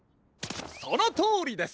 そのとおりです！